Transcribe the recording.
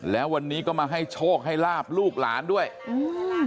แล้ววันนี้ก็มาให้โชคให้ลาบลูกหลานด้วยอืม